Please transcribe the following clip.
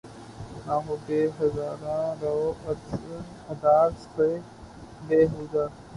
نہ ہو بہ ہرزہ روادارِ سعیء بے ہودہ